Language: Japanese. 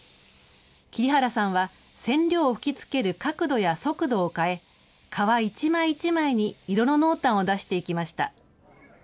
桐原さんは、染料を吹きつける角度や速度を変え、革、一枚一枚に色の濃淡を出していきました。